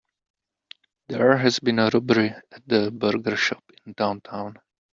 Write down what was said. There has been a robbery at the burger shop in downtown.